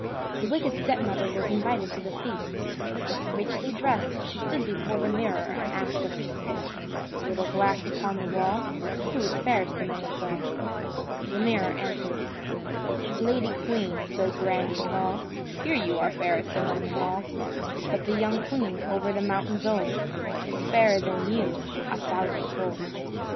The wicked stepmother was invited to the feast. Richly dressed, she stood before the mirror, and asked of it: "Little glass upon the wall, Who is fairest among us all?" The mirror answered: "Lady queen, so grand and tall, Here, you are fairest among them all; But the young queen over the mountains old, Is fairer than you a thousandfold."